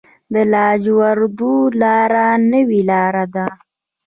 د لاجوردو لاره نوې لاره ده